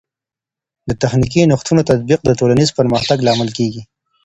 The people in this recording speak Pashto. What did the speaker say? د تخنیکي نوښتونو تطبیق د ټولنیز پرمختګ لامل کیږي.